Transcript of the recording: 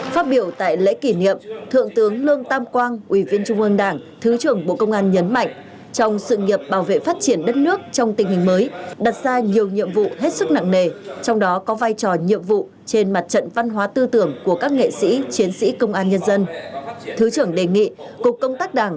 phát biểu tại lễ kỷ niệm thượng tướng lương tam quang ủy viên trung ương đảng thứ trưởng bộ công an nhấn mạnh trong sự nghiệp bảo vệ phát triển đất nước trong tình hình mới đặt ra nhiều nhiệm vụ hết sức nặng nề trong đó có vai trò nhiệm vụ trên mặt trận văn hóa tư tưởng của các nghệ sĩ chiến sĩ công an nhân dân